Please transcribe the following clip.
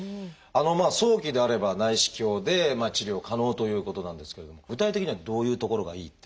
早期であれば内視鏡で治療可能ということなんですけれども具体的にはどういうところがいいっていうのはありますか？